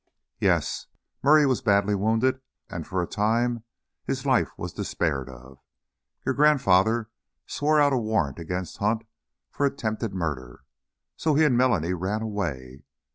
"Yes. Murray was badly wounded, and for a time his life was despaired of. Your grandfather swore out a warrant against Hunt for attempted murder! So he and Melanie ran away.